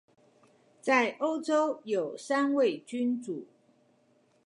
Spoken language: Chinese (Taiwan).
在歐洲有三位君王